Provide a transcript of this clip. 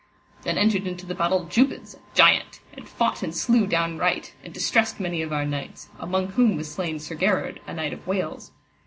Then entered into the battle Jubance a giant, and fought and slew down right, and distressed many of our knights, among whom was slain Sir Gherard, a knight of Wales.